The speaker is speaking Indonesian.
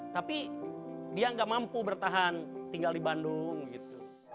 tapi dia nggak mampu bertahan tinggal di bandung gitu